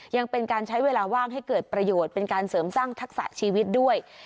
ยังเป็นการใช้เวลาว่างให้เกิดประโยชน์เป็นการเสริมสร้างทักษะชีวิตด้วย